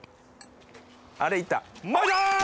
あれ行った！